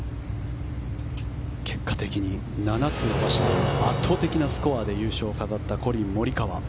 結果的に、７つ伸ばして圧倒的なスコアで優勝したコリン・モリカワ。